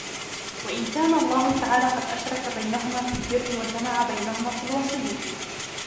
وَإِنْ كَانَ اللَّهُ تَعَالَى قَدْ أَشْرَكَ بَيْنَهُمَا فِي الْبِرِّ وَجَمَعَ بَيْنَهُمَا فِي الْوَصِيَّةِ